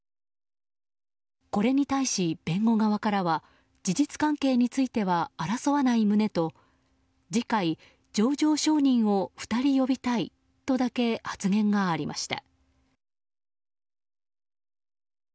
これに対し、弁護側からは事実関係については争わない旨と次回、情状証人を２人呼びたいとだけ発言がありました。